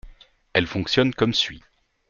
Elle fonctionne comme suit.